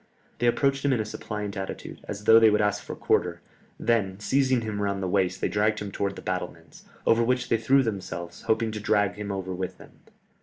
They approached him in a suppliant attitude, as though they would ask for quarter, then seizing him round the waist they dragged him towards the battlements, over which they threw themselves, hoping to drag him over with them.